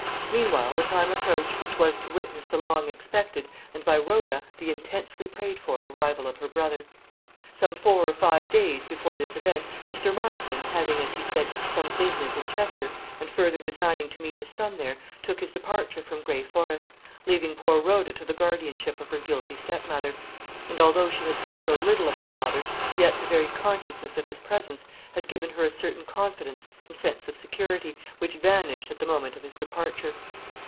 Meanwhile the time approached which was to witness the long expected, and, by Rhoda, the intensely prayed for arrival of her brother. Some four or five days before this event, Mr. Marston, having, as he said, some business in Chester, and further designing to meet his son there, took his departure from Gray Forest, leaving poor Rhoda to the guardianship of her guilty stepmother; and although she had seen so little of her father, yet the very consciousness of his presence had given her a certain confidence and sense of security, which vanished at the moment of his departure.